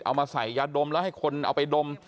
เอามาใส่ยาดมแล้วให้คนเอาไปดม